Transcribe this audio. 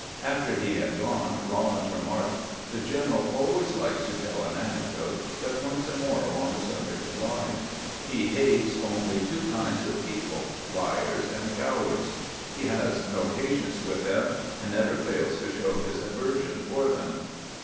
After he had gone, Eawlins remarked :" The general always likes to teU an anecdote that points a moral on the subject of lying. He hates only two kinds of people, liars and cowards. He has no patience with them, and never fails to show his aversion for them."